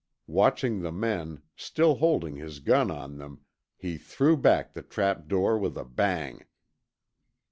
Watching the men, still holding his gun on them, he threw back the trap door with a bang.